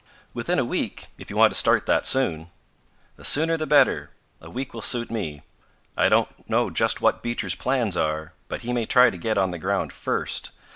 "Within a week, if you want to start that soon." "The sooner the better. A week will suit me. I don't know just what Beecher's plans are, but, he may try to get on the ground first.